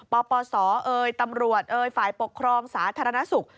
ปปศตำรวจฝ่ายปกครองสาธารณสุข